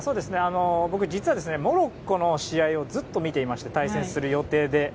僕、実はモロッコの試合をずっと見ていまして対戦する予定で。